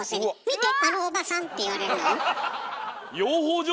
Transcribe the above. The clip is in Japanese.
あのおばさん！」って言われるのよ。